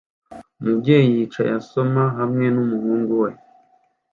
umubyeyi yicaye asoma hamwe numuhungu we